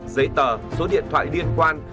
giấy tờ số điện thoại liên quan